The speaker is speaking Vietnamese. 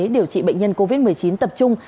điều trị bệnh nhân covid một mươi chín tập trung